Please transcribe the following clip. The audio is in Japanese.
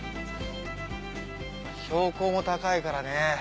標高も高いからね。